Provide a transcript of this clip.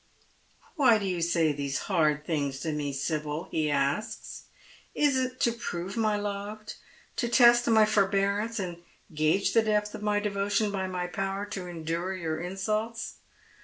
" Why do you say these hard things to me, Sibyl ?" he asks. " Is it to prove my love — to test my forbearance, and gauge the depth of mj' devotion by my power to endure your insults